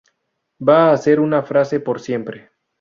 Va a ser una frase por siempre.